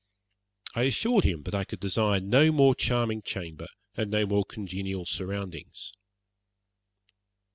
I assured him that I could desire no more charming chamber, and no more congenial surroundings.